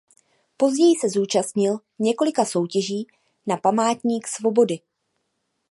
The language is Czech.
Později se zúčastnil několika soutěží na Památník svobody.